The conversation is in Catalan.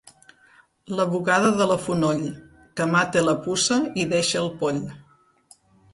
La bugada de la Fonoll, que mata la puça i deixa el poll.